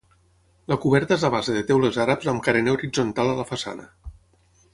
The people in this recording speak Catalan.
La coberta és a base de teules àrabs amb carener horitzontal a la façana.